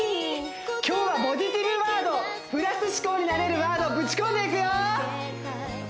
今日はポジティブワードプラス思考になれるワードぶち込んでいくよ